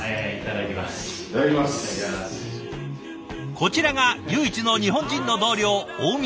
こちらが唯一の日本人の同僚近江さん。